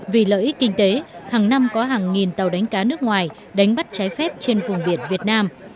vì lợi ích kinh tế hàng năm có hàng nghìn tàu đánh cá nước ngoài đánh bắt trái phép trên vùng biển việt nam